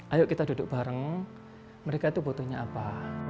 ayo kita duduk bareng mereka itu butuhnya apa